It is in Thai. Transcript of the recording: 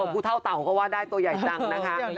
ผู้เท่าเต่าก็ว่าได้ตัวใหญ่จังนะคะ